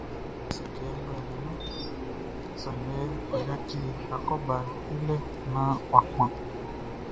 Akɔʼn si kɛ nglɛmun nunʼn, sanngɛ ɔ yaci akɔbaʼn i lɛ naan ɔ kpan.